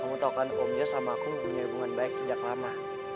kamu tau kan om yus sama aku punya hubungan baik sejak lama